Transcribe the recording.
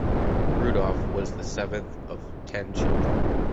Rudolf was the seventh of ten children.